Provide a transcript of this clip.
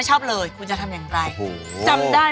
ชอบเลยฮะไปเที่ยวด้วย